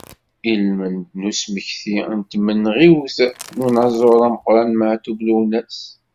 Ilmend n usmekti n tmenɣiwt n unaẓur ameqqran Maɛtub Lwennas.